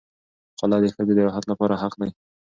خلع د ښځې د راحت لپاره حق دی.